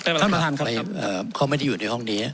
ท่านประธานครับเขาไม่ได้อยู่ในห้องนี้